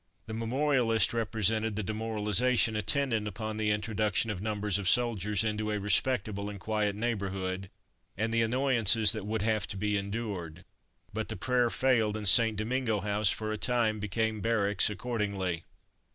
The memorialists represented the demoralization attendant upon the introduction of numbers of soldiers into a respectable and quiet neighbourhood, and the annoyances that would have to be endured. But the prayer failed, and St. Domingo House, for a time, became barracks accordingly.